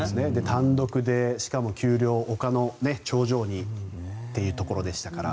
単独で、しかも丘の頂上にというところでしたからね。